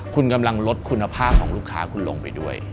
คุณกำลังลดคุณภาพของลูกค้าคุณลงไปด้วย